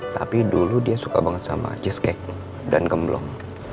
tapi dulu dia suka banget sama cheesecake dan gemblong